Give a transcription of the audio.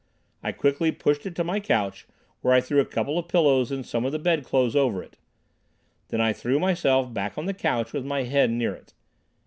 I quickly pushed it to my couch, where I threw a couple of pillows and some of the bed clothes over it. Then I threw myself back on the couch with my head near it.